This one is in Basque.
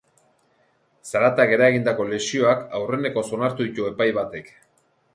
Zaratak eragindako lesioak aurrenekoz onartu ditu epai batek.